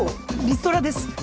リストラです。